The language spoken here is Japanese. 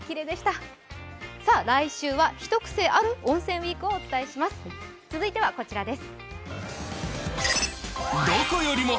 来週は、ひと癖ある温泉ウィークをお届けします。